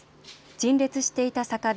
陳列していた酒瓶